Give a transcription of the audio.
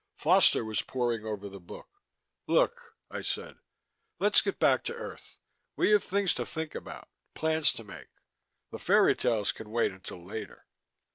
Foster was poring over the book. "Look," I said. "Let's get back to earth. We have things to think about, plans to make. The fairy tales can wait until later."